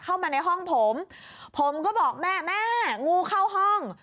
เข้ามาในห้องผมผมก็บอกแม่แม่งูเข้าห้อง